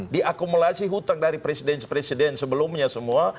diakumulasi hutang dari presiden presiden sebelumnya semua